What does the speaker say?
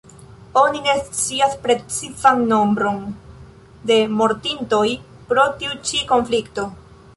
Oni ne scias precizan nombron de mortintoj pro tiu ĉi konflikto.